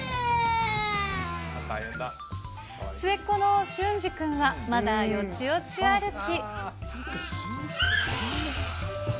末っ子のしゅんじくんはまだよちよち歩き。